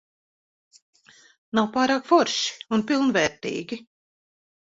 Nav pārāk forši un pilnvērtīgi.